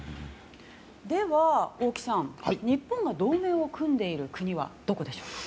では、大木さん日本が同盟を組んでいる国はどこでしょうか？